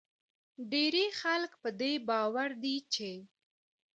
ډیری خلک په دې باور دي چې